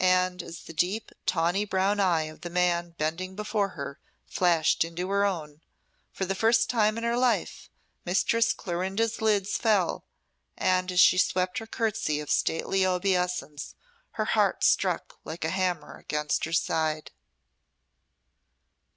And as the deep, tawny brown eye of the man bending before her flashed into her own, for the first time in her life Mistress Clorinda's lids fell, and as she swept her curtsey of stately obeisance her heart struck like a hammer against her side.